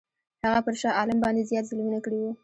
هغه پر شاه عالم باندي زیات ظلمونه کړي وه.